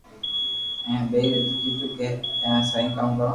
ھين ٻئير اينو ڪيدو ڪو اي سائين ڪاو